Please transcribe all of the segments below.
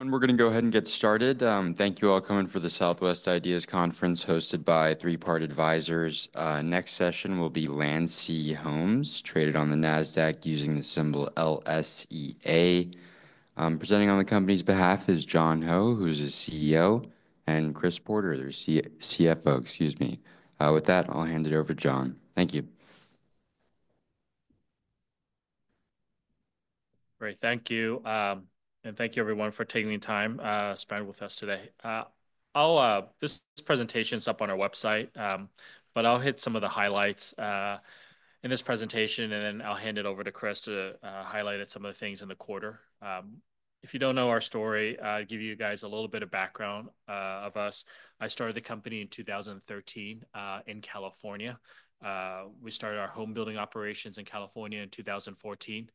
And we're going to go ahead and get started. Thank you all for coming to the Southwest IDEAS Conference hosted by Three Part Advisors. Next session will be Landsea Homes, traded on the Nasdaq using the symbol LSEA. Presenting on the company's behalf is John Ho, who's the CEO, and Chris Porter, their CFO. Excuse me. With that, I'll hand it over to John. Thank you. Great. Thank you and thank you, everyone, for taking the time spent with us today. This presentation is up on our website, but I'll hit some of the highlights in this presentation, and then I'll hand it over to Chris to highlight some of the things in the quarter. If you don't know our story, I'll give you guys a little bit of background of us. I started the company in 2013 in California. We started our home building operations in California in 2014.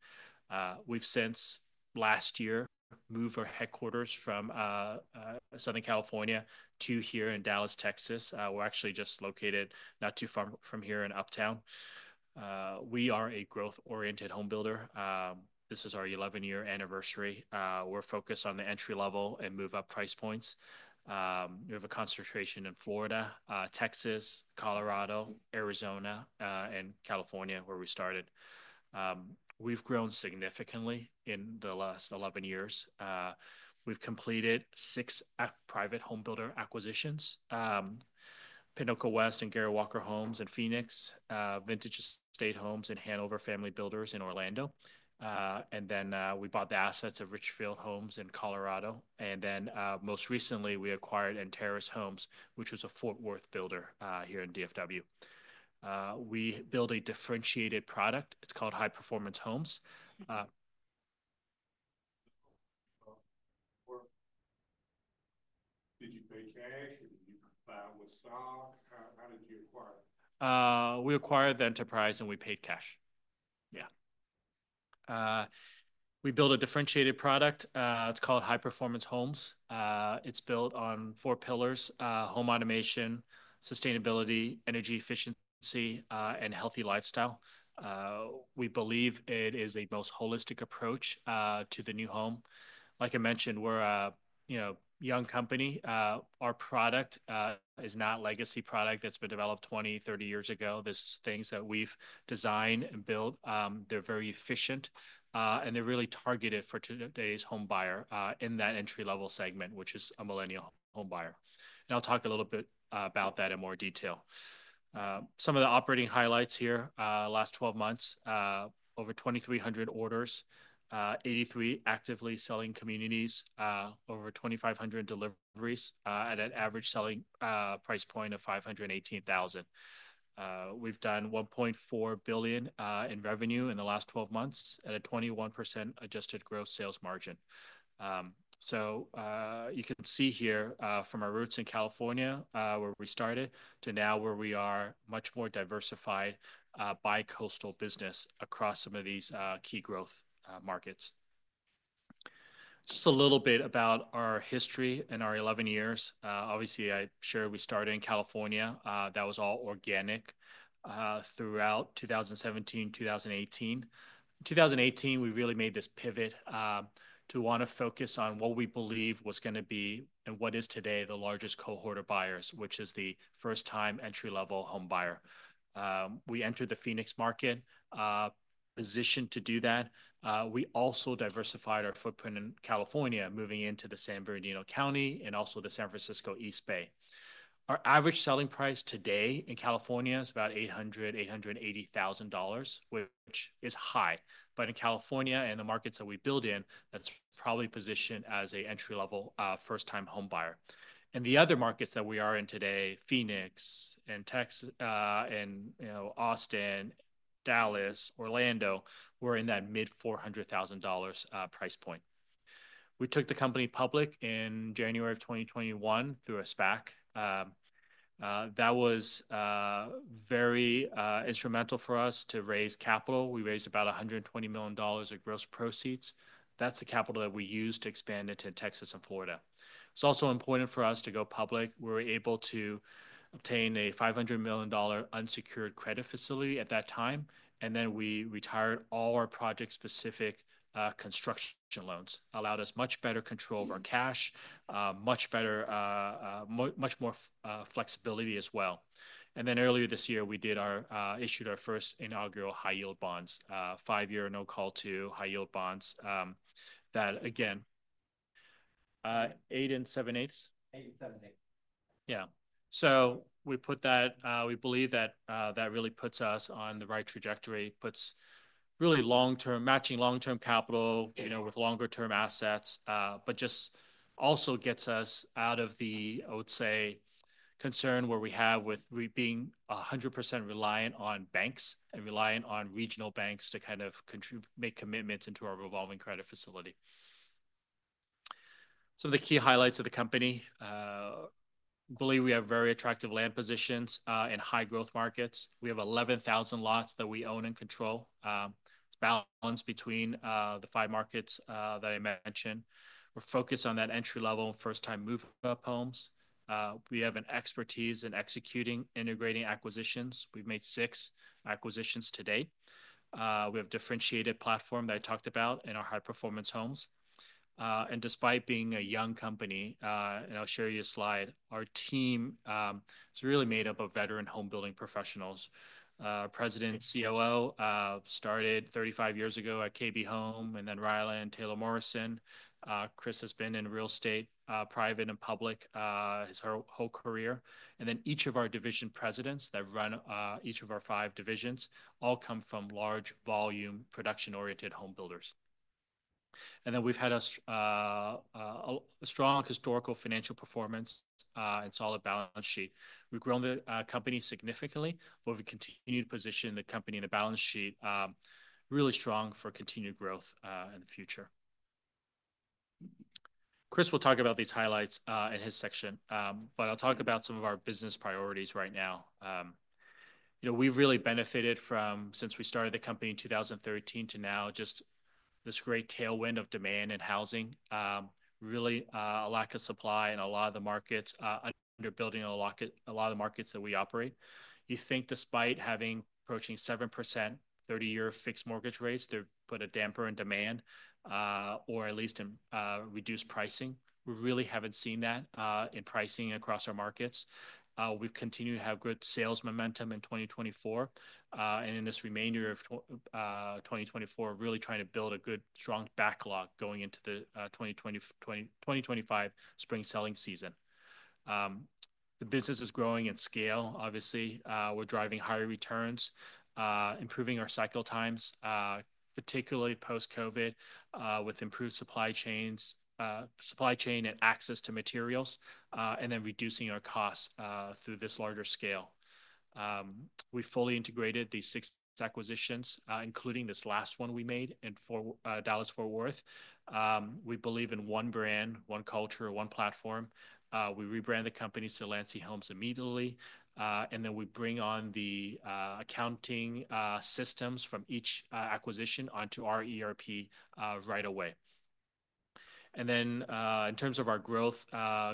We've since last year moved our headquarters from Southern California to here in Dallas, Texas. We're actually just located not too far from here in Uptown. We are a growth-oriented home builder. This is our 11-year anniversary. We're focused on the entry level and move-up price points. We have a concentration in Florida, Texas, Colorado, Arizona, and California, where we started. We've grown significantly in the last 11 years. We've completed six private home builder acquisitions: Pinnacle West and Garrett Walker Homes in Phoenix, Vintage Estate Homes, Hanover Family Builders in Orlando, and then we bought the assets of Richfield Homes in Colorado, and then most recently, we acquired Antares Homes, which was a Fort Worth builder here in DFW. We build a differentiated product. It's called High Performance Homes. Did you pay cash or did you buy with stock? How did you acquire it? We acquired the enterprise, and we paid cash. Yeah. We build a differentiated product. It's called High Performance Homes. It's built on four pillars: home automation, sustainability, energy efficiency, and healthy lifestyle. We believe it is a most holistic approach to the new home. Like I mentioned, we're a young company. Our product is not a legacy product that's been developed 20, 30 years ago. This is things that we've designed and built. They're very efficient, and they're really targeted for today's home buyer in that entry-level segment, which is a millennial home buyer. And I'll talk a little bit about that in more detail. Some of the operating highlights here: last 12 months, over 2,300 orders, 83 actively selling communities, over 2,500 deliveries, and an average selling price point of $518,000. We've done $1.4 billion in revenue in the last 12 months at a 21% adjusted gross sales margin. So you can see here from our roots in California where we started to now where we are much more diversified by coastal business across some of these key growth markets. Just a little bit about our history in our 11 years. Obviously, I shared we started in California. That was all organic throughout 2017, 2018. In 2018, we really made this pivot to want to focus on what we believe was going to be and what is today the largest cohort of buyers, which is the first-time entry-level home buyer. We entered the Phoenix market positioned to do that. We also diversified our footprint in California, moving into the San Bernardino County and also the San Francisco East Bay. Our average selling price today in California is about $800,000, $880,000, which is high. But in California and the markets that we build in, that's probably positioned as an entry-level first-time home buyer. And the other markets that we are in today, Phoenix and Texas, and Austin, Dallas, Orlando, we're in that mid-$400,000 price point. We took the company public in January of 2021 through a SPAC. That was very instrumental for us to raise capital. We raised about $120 million of gross proceeds. That's the capital that we used to expand into Texas and Florida. It's also important for us to go public. We were able to obtain a $500 million unsecured credit facility at that time. And then we retired all our project-specific construction loans. It allowed us much better control of our cash, much more flexibility as well. And then earlier this year, we issued our first inaugural high-yield bonds, five-year no-call two high-yield bonds. That, again, eight and seven eighths. 8.875 Yeah. So we put that. We believe that that really puts us on the right trajectory, puts really matching long-term capital with longer-term assets, but just also gets us out of the, I would say, concern where we have with being 100% reliant on banks and reliant on regional banks to kind of make commitments into our revolving credit facility. Some of the key highlights of the company: I believe we have very attractive land positions in high-growth markets. We have 11,000 lots that we own and control. It's balanced between the five markets that I mentioned. We're focused on that entry-level and first-time move-up homes. We have an expertise in executing integrating acquisitions. We've made six acquisitions to date. We have a differentiated platform that I talked about in our High Performance Homes. Despite being a young company, and I'll share you a slide, our team is really made up of veteran home building professionals. President and COO started 35 years ago at KB Home, and then Ryland, Taylor Morrison. Chris has been in real estate, private and public, his whole career. Each of our division presidents that run each of our five divisions all come from large-volume production-oriented home builders. We've had a strong historical financial performance and solid balance sheet. We've grown the company significantly, but we've continued to position the company in the balance sheet really strong for continued growth in the future. Chris will talk about these highlights in his section, but I'll talk about some of our business priorities right now. We've really benefited from, since we started the company in 2013 to now, just this great tailwind of demand and housing. Really, a lack of supply in a lot of the markets, underbuilding a lot of the markets that we operate. You think, despite having approaching 7% 30-year fixed mortgage rates, they've put a damper on demand, or at least reduced pricing. We really haven't seen that in pricing across our markets. We've continued to have good sales momentum in 2024. And in this remainder of 2024, we're really trying to build a good, strong backlog going into the 2025 spring selling season. The business is growing in scale, obviously. We're driving higher returns, improving our cycle times, particularly post-COVID, with improved supply chain and access to materials, and then reducing our costs through this larger scale. We fully integrated these six acquisitions, including this last one we made in Dallas, Fort Worth. We believe in one brand, one culture, one platform. We rebrand the company to Landsea Homes immediately, and then we bring on the accounting systems from each acquisition onto our ERP right away, and then in terms of our growth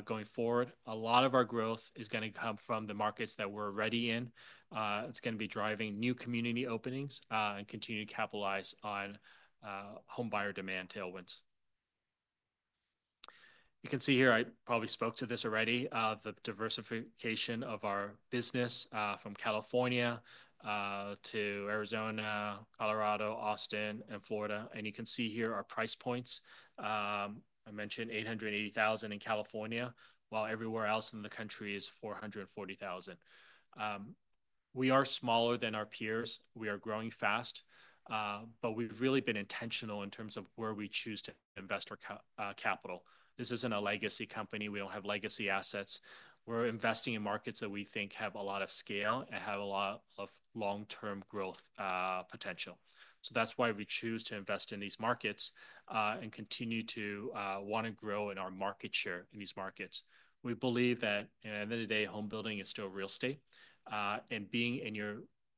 going forward, a lot of our growth is going to come from the markets that we're already in. It's going to be driving new community openings and continue to capitalize on home buyer demand tailwinds. You can see here, I probably spoke to this already, the diversification of our business from California to Arizona, Colorado, Austin, and Florida, and you can see here our price points. I mentioned $880,000 in California, while everywhere else in the country is $440,000. We are smaller than our peers. We are growing fast, but we've really been intentional in terms of where we choose to invest our capital. This isn't a legacy company. We don't have legacy assets. We're investing in markets that we think have a lot of scale and have a lot of long-term growth potential. So that's why we choose to invest in these markets and continue to want to grow in our market share in these markets. We believe that at the end of the day, home building is still real estate. And being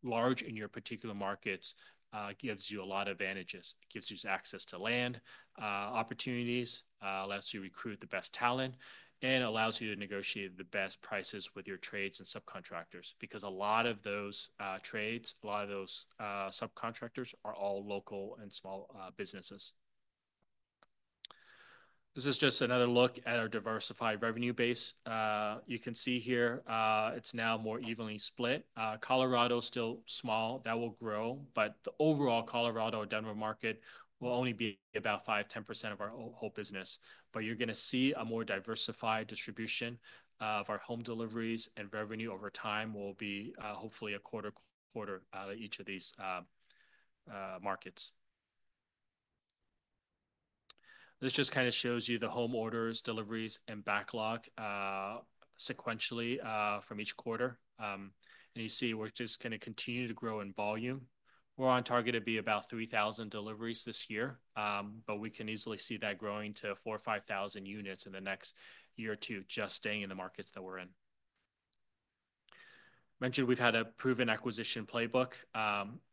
large in your particular markets gives you a lot of advantages. It gives you access to land, opportunities, allows you to recruit the best talent, and allows you to negotiate the best prices with your trades and subcontractors because a lot of those trades, a lot of those subcontractors are all local and small businesses. This is just another look at our diversified revenue base. You can see here it's now more evenly split. Colorado is still small. That will grow. But the overall Colorado and Denver market will only be about 5%-10% of our whole business. But you're going to see a more diversified distribution of our home deliveries and revenue over time will be hopefully a quarter-quarter out of each of these markets. This just kind of shows you the home orders, deliveries, and backlog sequentially from each quarter. And you see we're just going to continue to grow in volume. We're on target to be about 3,000 deliveries this year, but we can easily see that growing to 4,000 or 5,000 units in the next year or two, just staying in the markets that we're in. I mentioned we've had a proven acquisition playbook.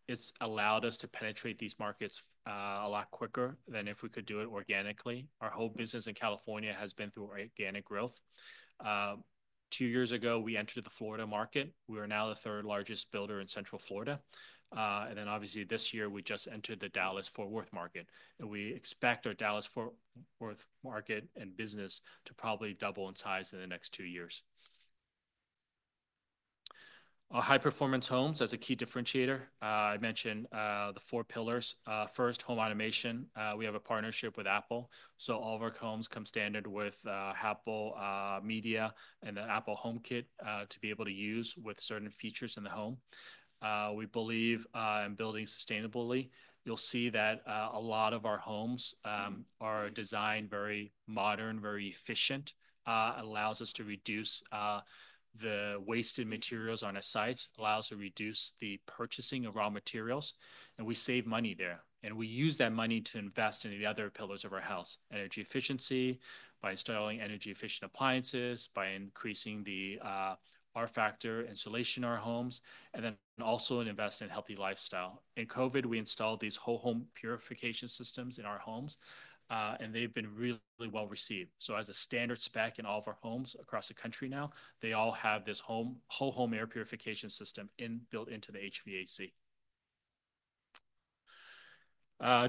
It's allowed us to penetrate these markets a lot quicker than if we could do it organically. Our whole business in California has been through organic growth. Two years ago, we entered the Florida market. We are now the third largest builder in Central Florida. And then obviously this year, we just entered the Dallas-Fort Worth market. And we expect our Dallas-Fort Worth market and business to probably double in size in the next two years. High Performance Homes as a key differentiator. I mentioned the four pillars. First, home automation. We have a partnership with Apple. So all of our homes come standard with Apple Media and the Apple HomeKit to be able to use with certain features in the home. We believe in building sustainably. You'll see that a lot of our homes are designed very modern, very efficient. It allows us to reduce the wasted materials on our sites, allows us to reduce the purchasing of raw materials, and we save money there. We use that money to invest in the other pillars of our house: energy efficiency by installing energy-efficient appliances, by increasing the R-Factor insulation in our homes, and then also invest in a healthy lifestyle. In COVID, we installed these whole home purification systems in our homes, and they've been really well received. So as a standard spec in all of our homes across the country now, they all have this whole home air purification system built into the HVAC.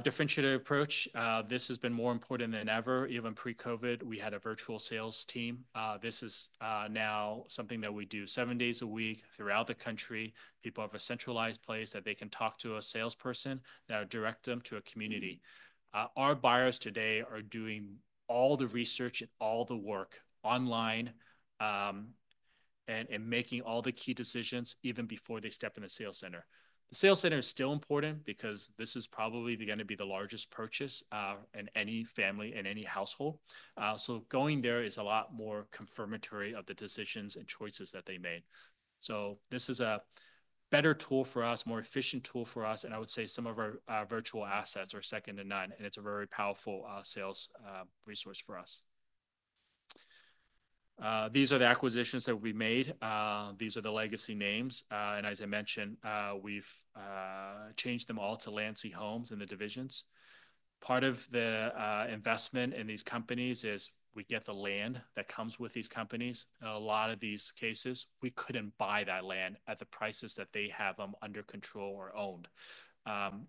Differentiated approach. This has been more important than ever. Even pre-COVID, we had a virtual sales team. This is now something that we do seven days a week throughout the country. People have a centralized place that they can talk to a salesperson that will direct them to a community. Our buyers today are doing all the research and all the work online and making all the key decisions even before they step in the sales center. The sales center is still important because this is probably going to be the largest purchase in any family, in any household. So going there is a lot more confirmatory of the decisions and choices that they made. So this is a better tool for us, a more efficient tool for us. And I would say some of our virtual assets are second to none. And it's a very powerful sales resource for us. These are the acquisitions that we made. These are the legacy names. And as I mentioned, we've changed them all to Landsea Homes in the divisions. Part of the investment in these companies is we get the land that comes with these companies. In a lot of these cases, we couldn't buy that land at the prices that they have them under control or owned.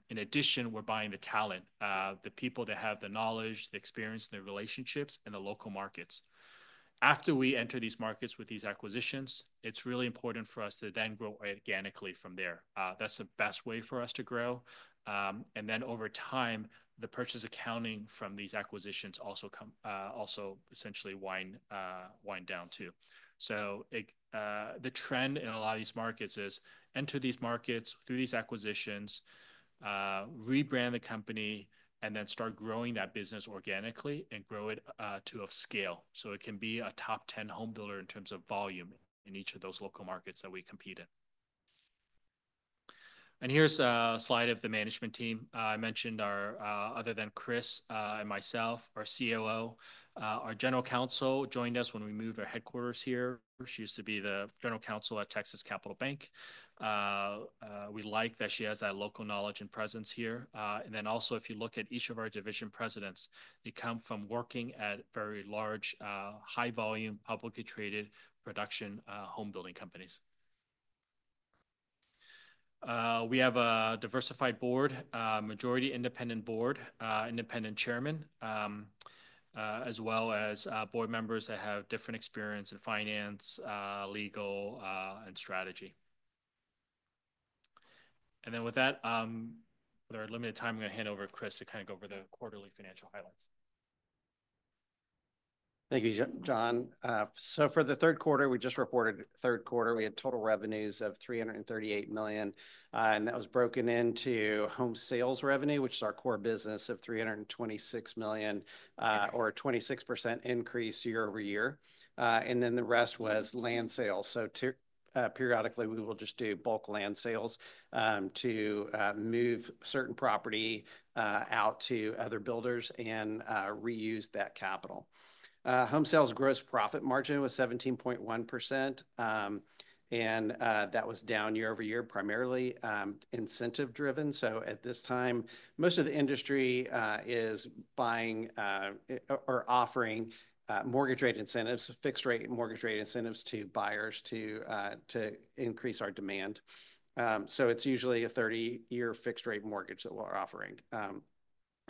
In addition, we're buying the talent, the people that have the knowledge, the experience, and the relationships in the local markets. After we enter these markets with these acquisitions, it's really important for us to then grow organically from there. That's the best way for us to grow. And then over time, the purchase accounting from these acquisitions also essentially wind down too. So the trend in a lot of these markets is enter these markets through these acquisitions, rebrand the company, and then start growing that business organically and grow it to a scale so it can be a top 10 home builder in terms of volume in each of those local markets that we compete in. And here's a slide of the management team. I mentioned our, other than Chris and myself, our COO. Our general counsel joined us when we moved our headquarters here. She used to be the general counsel at Texas Capital Bank. We like that she has that local knowledge and presence here, and then also, if you look at each of our division presidents, they come from working at very large, high-volume, publicly traded production home building companies. We have a diversified board, majority independent board, independent chairman, as well as board members that have different experience in finance, legal, and strategy, and then with that, with our limited time, I'm going to hand over to Chris to kind of go over the quarterly financial highlights. Thank you, John. So for the third quarter, we just reported, we had total revenues of $338 million. And that was broken into home sales revenue, which is our core business of $326 million, or a 26% increase year-over-year. And then the rest was land sales. So periodically, we will just do bulk land sales to move certain property out to other builders and reuse that capital. Home sales gross profit margin was 17.1%. And that was down year-over-year, primarily incentive-driven. So at this time, most of the industry is buying or offering mortgage rate incentives, fixed-rate mortgage rate incentives to buyers to increase our demand. So it's usually a 30-year fixed-rate mortgage that we're offering.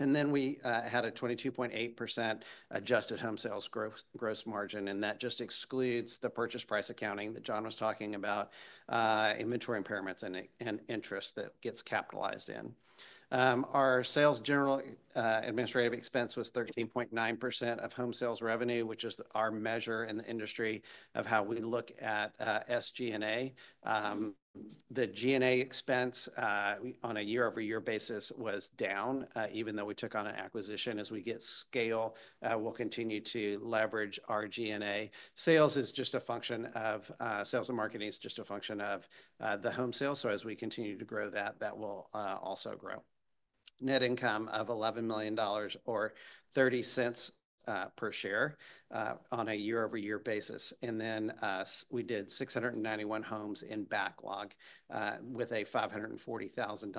And then we had a 22.8% adjusted home sales gross margin. That just excludes the purchase price accounting that John was talking about, inventory impairments, and interest that gets capitalized in. Our Selling, General, and Administrative expense was 13.9% of home sales revenue, which is our measure in the industry of how we look at SG&A. The G&A expense on a year-over-year basis was down, even though we took on an acquisition. As we get scale, we'll continue to leverage our G&A. Sales is just a function of sales and marketing is just a function of the home sale. So as we continue to grow that, that will also grow. Net income of $11 million or $0.30 per share on a year-over-year basis. And then we did 691 homes in backlog with a $540,000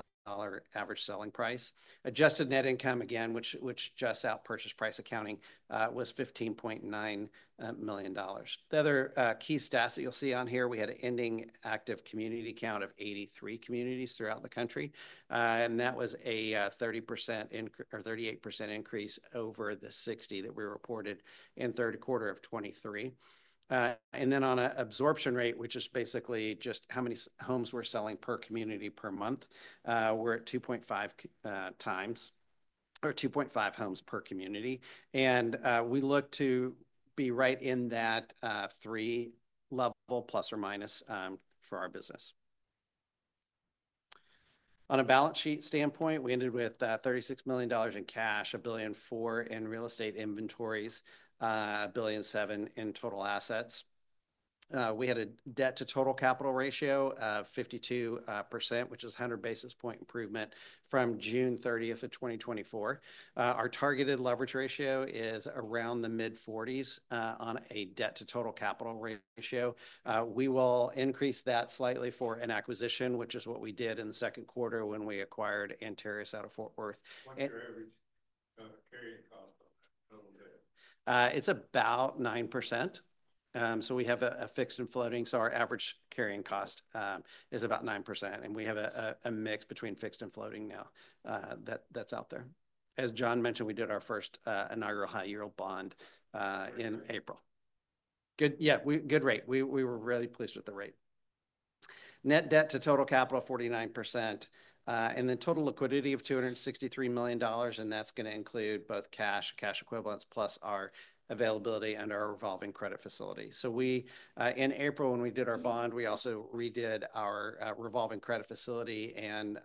average selling price. Adjusted net income, again, which just excludes purchase price accounting, was $15.9 million. The other key stats that you'll see on here, we had an ending active community count of 83 communities throughout the country, and that was a 30% or 38% increase over the 60 that we reported in third quarter of 2023, and then on an absorption rate, which is basically just how many homes we're selling per community per month, we're at 2.5 times or 2.5 homes per community, and we look to be right in that three level plus or minus for our business. On a balance sheet standpoint, we ended with $36 million in cash, $1.4 billion in real estate inventories, $1.7 billion in total assets. We had a debt-to-total capital ratio of 52%, which is 100 basis points improvement from June 30th of 2024. Our targeted leverage ratio is around the mid-40s on a debt-to-total capital ratio. We will increase that slightly for an acquisition, which is what we did in the second quarter when we acquired Antares out of Fort Worth. It's about 9%. So we have a fixed and floating. So our average carrying cost is about 9%. And we have a mix between fixed and floating now that's out there. As John mentioned, we did our first inaugural high-yield bond in April. Good rate. We were really pleased with the rate. Net debt-to-total capital 49%. And then total liquidity of $263 million. And that's going to include both cash, cash equivalents plus our availability under our revolving credit facility. So in April, when we did our bond, we also redid our revolving credit facility and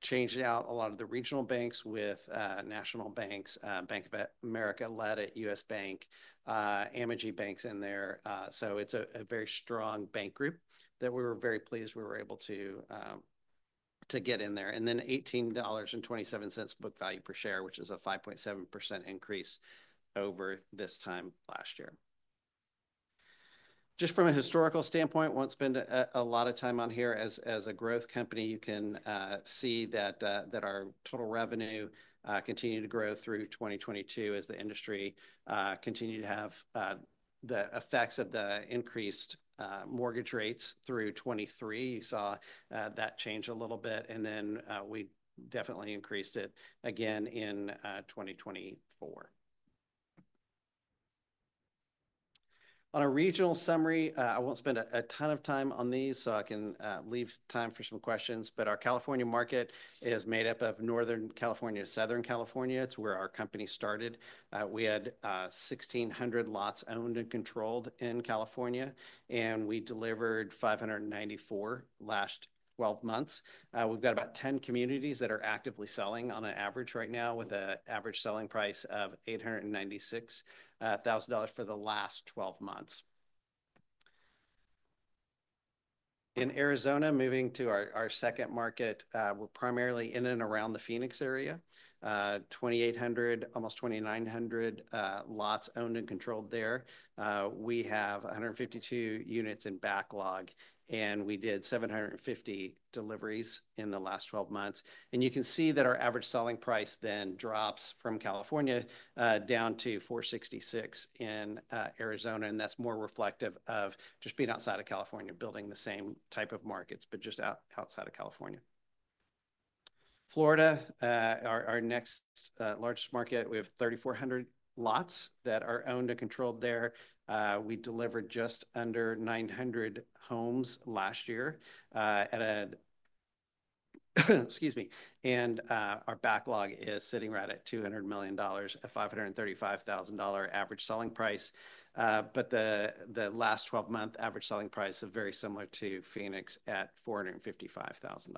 changed out a lot of the regional banks with national banks, Bank of America led it, U.S. Bank, and many banks in there. So it's a very strong bank group that we were very pleased we were able to get in there. And then $18.27 book value per share, which is a 5.7% increase over this time last year. Just from a historical standpoint, we won't spend a lot of time on here. As a growth company, you can see that our total revenue continued to grow through 2022 as the industry continued to have the effects of the increased mortgage rates through 2023. You saw that change a little bit. And then we definitely increased it again in 2024. On a regional summary, I won't spend a ton of time on these so I can leave time for some questions. But our California market is made up of Northern California, Southern California. It's where our company started. We had 1,600 lots owned and controlled in California. We delivered 594 last 12 months. We've got about 10 communities that are actively selling on an average right now with an average selling price of $896,000 for the last 12 months. In Arizona, moving to our second market, we're primarily in and around the Phoenix area, 2,800, almost 2,900 lots owned and controlled there. We have 152 units in backlog. And we did 750 deliveries in the last 12 months. And you can see that our average selling price then drops from California down to $466 in Arizona. And that's more reflective of just being outside of California, building the same type of markets, but just outside of California. Florida, our next largest market, we have 3,400 lots that are owned and controlled there. We delivered just under 900 homes last year at a, excuse me. And our backlog is sitting right at $200 million, a $535,000 average selling price. But the last 12-month average selling price is very similar to Phoenix at $455,000.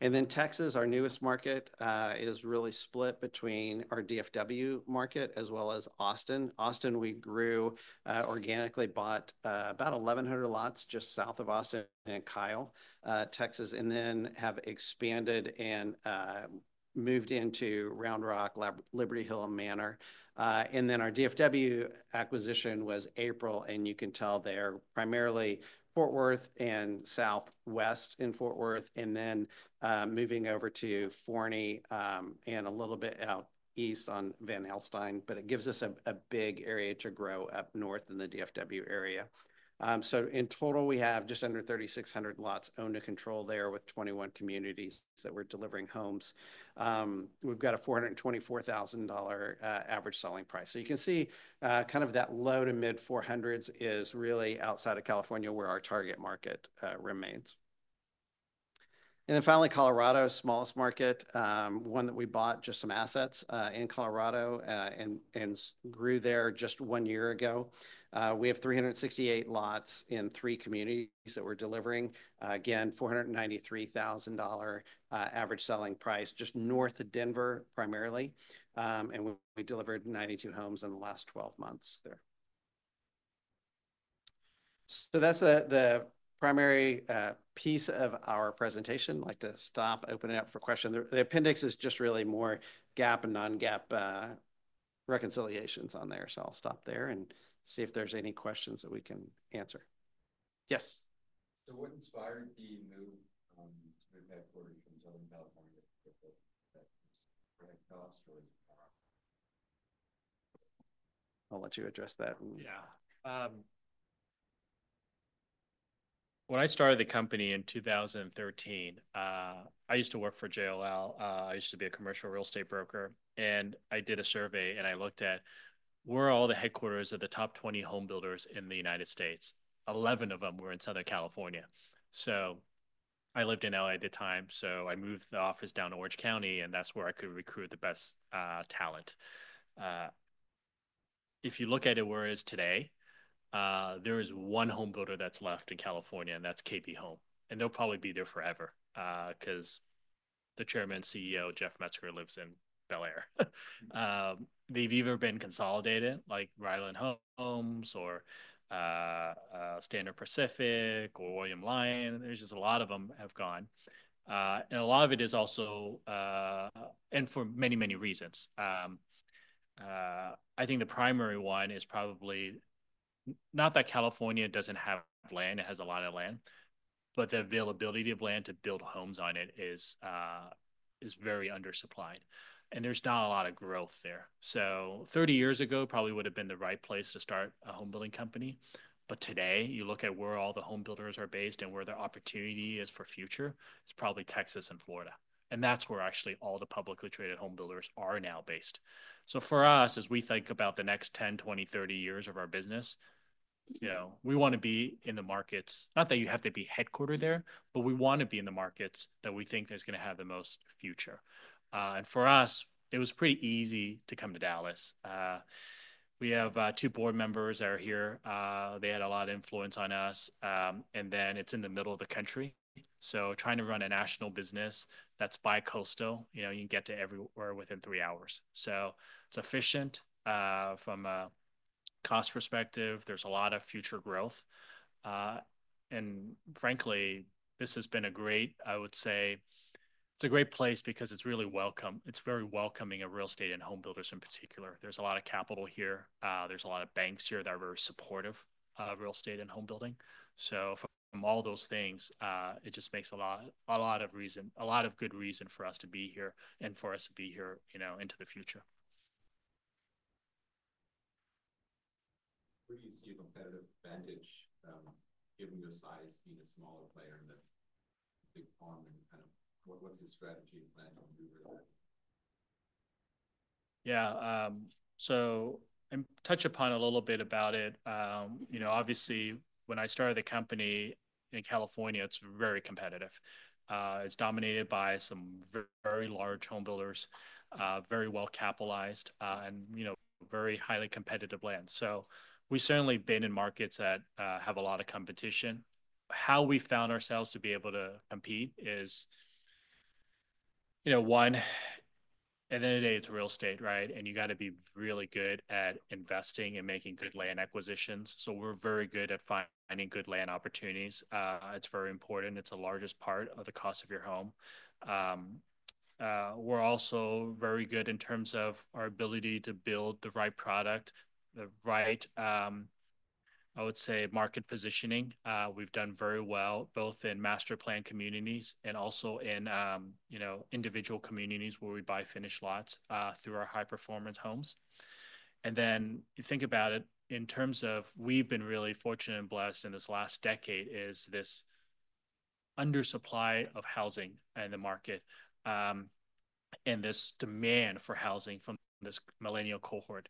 And then Texas, our newest market, is really split between our DFW market as well as Austin. Austin, we grew organically, bought about 1,100 lots just South of Austin and Kyle, Texas, and then have expanded and moved into Round Rock, Liberty Hill, and Manor. And then our DFW acquisition was April. And you can tell they're primarily Fort Worth and Southwest in Fort Worth, and then moving over to Forney and a little bit out east on Van Alstyne. But it gives us a big area to grow up north in the DFW area. So in total, we have just under 3,600 lots owned and controlled there with 21 communities that we're delivering homes. We've got a $424,000 average selling price. So you can see kind of that low to mid-400s is really outside of California where our target market remains. And then finally, Colorado, smallest market, one that we bought just some assets in Colorado and grew there just one year ago. We have 368 lots in three communities that we're delivering. Again, $493,000 average selling price just north of Denver primarily. And we delivered 92 homes in the last 12 months there. So that's the primary piece of our presentation. I'd like to stop opening it up for questions. The appendix is just really more GAAP and non-GAAP reconciliations on there. So I'll stop there and see if there's any questions that we can answer. Yes. What inspired the move to move headquarters from Southern California to Fort Worth? Was it cost or was it power? I'll let you address that. Yeah. When I started the company in 2013, I used to work for JLL. I used to be a commercial real estate broker, and I did a survey and I looked at where are all the headquarters of the top 20 home builders in the United States. 11 of them were in Southern California. So I lived in LA at the time, so I moved the office down to Orange County, and that's where I could recruit the best talent. If you look at it where it is today, there is one home builder that's left in California, and that's KB Home, and they'll probably be there forever because the Chairman CEO, Jeff Mezger, lives in Bel-Air. They've either been consolidated like Ryland Homes or Standard Pacific or William Lyon. There's just a lot of them have gone, and a lot of it is also and for many, many reasons. I think the primary one is probably not that California doesn't have land. It has a lot of land. But the availability of land to build homes on it is very undersupplied. And there's not a lot of growth there. So 30 years ago probably would have been the right place to start a home building company. But today, you look at where all the home builders are based and where the opportunity is for future, it's probably Texas and Florida. And that's where actually all the publicly traded home builders are now based. So for us, as we think about the next 10, 20, 30 years of our business, we want to be in the markets. Not that you have to be headquartered there, but we want to be in the markets that we think is going to have the most future. For us, it was pretty easy to come to Dallas. We have two board members that are here. They had a lot of influence on us. It's in the middle of the country. Trying to run a national business that's bi-coastal, you can get to everywhere within three hours. It's efficient from a cost perspective. There's a lot of future growth. Frankly, this has been a great, I would say, it's a great place because it's really welcome. It's very welcoming of real estate and home builders in particular. There's a lot of capital here. There's a lot of banks here that are very supportive of real estate and home building. From all those things, it just makes a lot of reason, a lot of good reason for us to be here and for us to be here into the future. Where do you see a competitive advantage given your size being a smaller player in the big firm and kind of what's the strategy planned to move? Yeah. So I touched upon a little bit about it. Obviously, when I started the company in California, it's very competitive. It's dominated by some very large home builders, very well capitalized, and very highly competitive land. So we've certainly been in markets that have a lot of competition. How we found ourselves to be able to compete is, one, at the end of the day, it's real estate, right? And you got to be really good at investing and making good land acquisitions. So we're very good at finding good land opportunities. It's very important. It's the largest part of the cost of your home. We're also very good in terms of our ability to build the right product, the right, I would say, market positioning. We've done very well both in master plan communities and also in individual communities where we buy finished lots through our High Performance Homes. And then you think about it in terms of we've been really fortunate and blessed in this last decade. It's this undersupply of housing and the market and this demand for housing from this millennial cohort.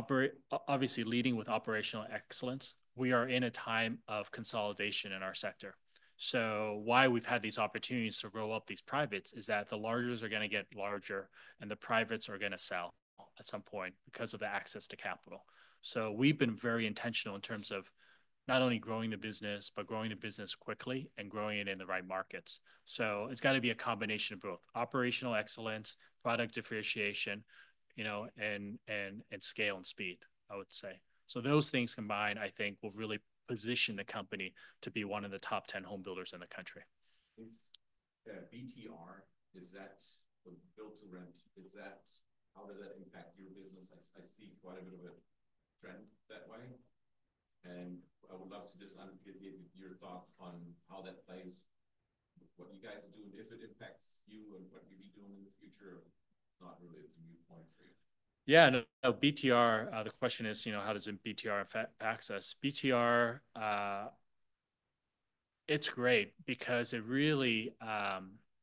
So obviously, leading with operational excellence, we are in a time of consolidation in our sector. So why we've had these opportunities to roll up these privates is that the largers are going to get larger and the privates are going to sell at some point because of the access to capital. So we've been very intentional in terms of not only growing the business, but growing the business quickly and growing it in the right markets. So it's got to be a combination of both operational excellence, product differentiation, and scale and speed, I would say. So those things combined, I think, will really position the company to be one of the top 10 home builders in the country. Is BTR, is that the build-to-rent, how does that impact your business? I see quite a bit of a trend that way, and I would love to just get your thoughts on how that plays, what you guys are doing, if it impacts you and what you'll be doing in the future, not really. It's a viewpoint for you. Yeah. No, BTR, the question is, how does BTR impact us? BTR, it's great because it really,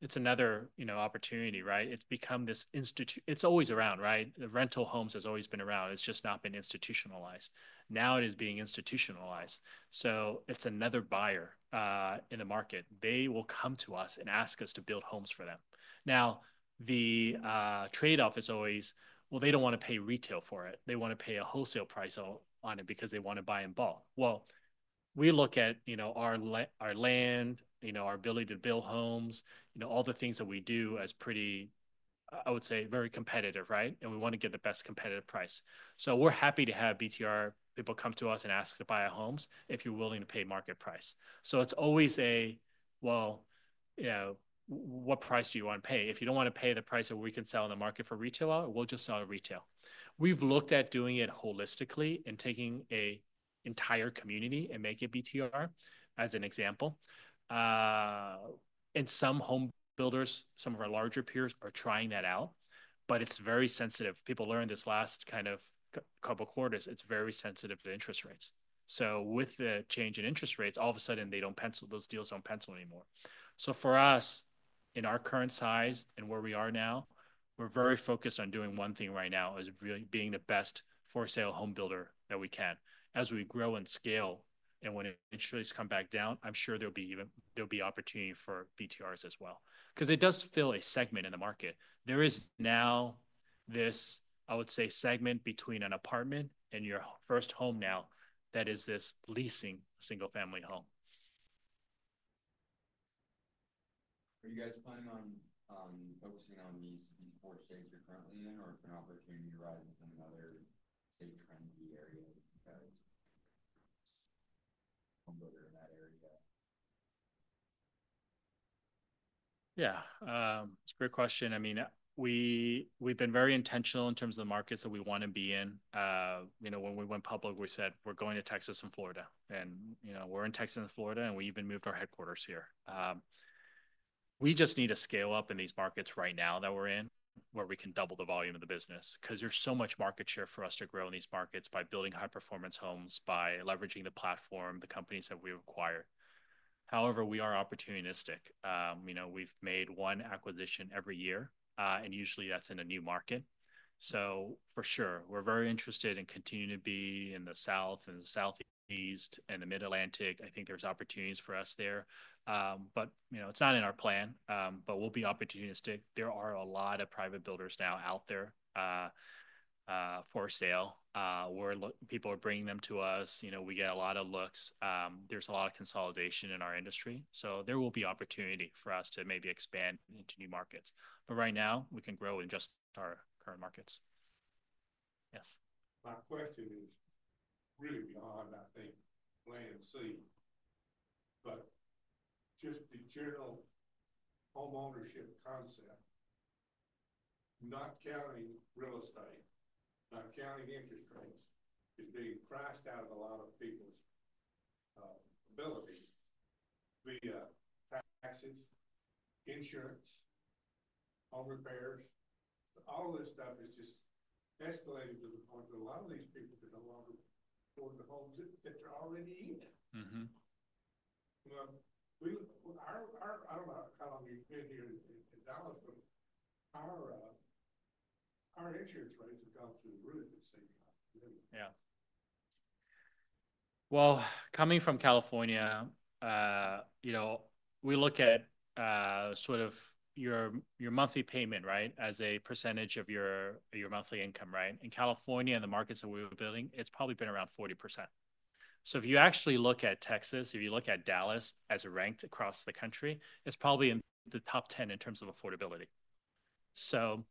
it's another opportunity, right? It's become this institution, it's always around, right? The rental homes has always been around. It's just not been institutionalized. Now it is being institutionalized. So it's another buyer in the market. They will come to us and ask us to build homes for them. Now, the trade-off is always, well, they don't want to pay retail for it. They want to pay a wholesale price on it because they want to buy in bulk. Well, we look at our land, our ability to build homes, all the things that we do as pretty, I would say, very competitive, right? And we want to get the best competitive price. So we're happy to have BTR people come to us and ask to buy homes if you're willing to pay market price. So it's always a, well, what price do you want to pay? If you don't want to pay the price that we can sell in the market for retail, we'll just sell it retail. We've looked at doing it holistically and taking an entire community and making BTR as an example. And some home builders, some of our larger peers are trying that out, but it's very sensitive. People learned this last kind of couple of quarters. It's very sensitive to interest rates. So with the change in interest rates, all of a sudden, they don't pencil, those deals don't pencil anymore. So for us, in our current size and where we are now, we're very focused on doing one thing right now is really being the best for sale home builder that we can. As we grow and scale and when interest rates come back down, I'm sure there'll be opportunity for BTRs as well. Because it does fill a segment in the market. There is now this, I would say, segment between an apartment and your first home now that is this leasing single-family home. Are you guys planning on focusing on these four states you're currently in or if an opportunity arises in another state trendy area that has home builder in that area? Yeah. It's a great question. I mean, we've been very intentional in terms of the markets that we want to be in. When we went public, we said, "We're going to Texas and Florida," and we're in Texas and Florida, and we even moved our headquarters here. We just need to scale up in these markets right now that we're in where we can double the volume of the business because there's so much market share for us to grow in these markets by building high-performance homes, by leveraging the platform, the companies that we acquire. However, we are opportunistic. We've made one acquisition every year, and usually that's in a new market, so for sure, we're very interested in continuing to be in the south and the Southeast and the Mid-Atlantic. I think there's opportunities for us there, but it's not in our plan, but we'll be opportunistic. There are a lot of private builders now out there for sale. People are bringing them to us. We get a lot of looks. There's a lot of consolidation in our industry. So there will be opportunity for us to maybe expand into new markets. But right now, we can grow in just our current markets. Yes. My question is really beyond, I think, Landsea. But just the general homeownership concept, not counting real estate, not counting interest rates, is being crossed out of a lot of people's ability via taxes, insurance, home repairs. All of this stuff is just escalated to the point that a lot of these people can no longer afford the homes that they're already in. I don't know how long you've been here in Dallas, but our insurance rates have gone through the roof at the same time. Yeah. Well, coming from California, we look at sort of your monthly payment, right, as a percentage of your monthly income, right? In California, in the markets that we were building, it's probably been around 40%. So if you actually look at Texas, if you look at Dallas as ranked across the country, it's probably in the top 10 in terms of affordability. So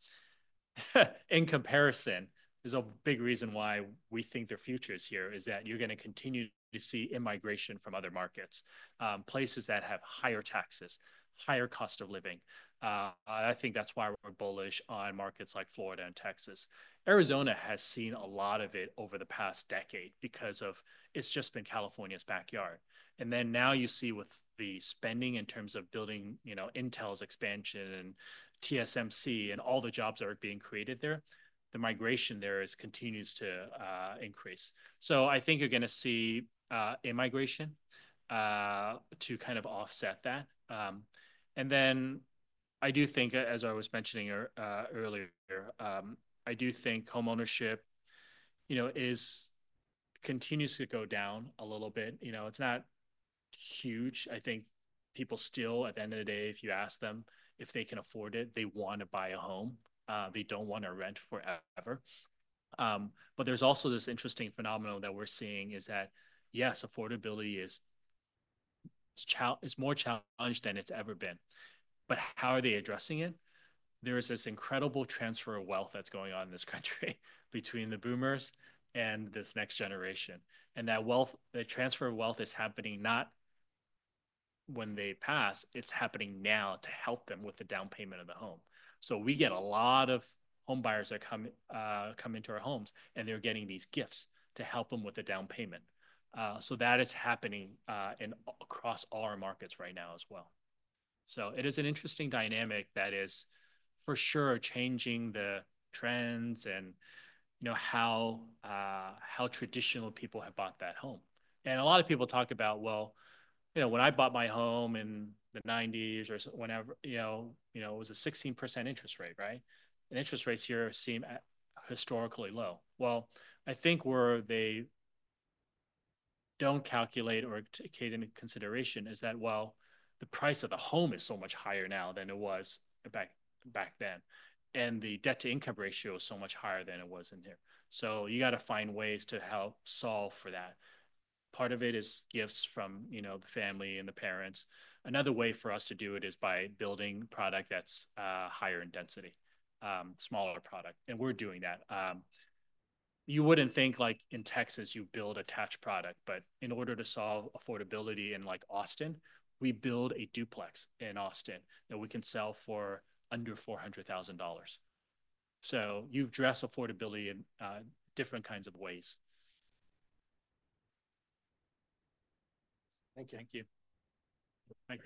in comparison, there's a big reason why we think their future is here is that you're going to continue to see immigration from other markets, places that have higher taxes, higher cost of living. I think that's why we're bullish on markets like Florida and Texas. Arizona has seen a lot of it over the past decade because it's just been California's backyard. And then now you see with the spending in terms of building Intel's expansion and TSMC and all the jobs that are being created there, the migration there continues to increase. So I think you're going to see immigration to kind of offset that. And then I do think, as I was mentioning earlier, I do think homeownership continues to go down a little bit. It's not huge. I think people still, at the end of the day, if you ask them if they can afford it, they want to buy a home. They don't want to rent forever. But there's also this interesting phenomenon that we're seeing is that, yes, affordability is more challenged than it's ever been. But how are they addressing it? There is this incredible transfer of wealth that's going on in this country between the boomers and this next generation. That transfer of wealth is happening not when they pass, it's happening now to help them with the down payment of the home. So we get a lot of home buyers that come into our homes, and they're getting these gifts to help them with the down payment. So that is happening across all our markets right now as well. So it is an interesting dynamic that is for sure changing the trends and how traditional people have bought that home. And a lot of people talk about, well, when I bought my home in the 1990s or whenever, it was a 16% interest rate, right? And interest rates here seem historically low. Well, I think where they don't calculate or take into consideration is that, well, the price of the home is so much higher now than it was back then. And the debt-to-income ratio is so much higher than it was in here. So you got to find ways to help solve for that. Part of it is gifts from the family and the parents. Another way for us to do it is by building product that's higher in density, smaller product. And we're doing that. You wouldn't think in Texas you build an attached product, but in order to solve affordability in Austin, we build a duplex in Austin that we can sell for under $400,000. So you've addressed affordability in different kinds of ways. Thank you. Thank you. Thank you.